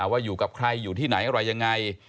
ว่าอยู่กับใครอยู่ที่ไหนอะไรยังไง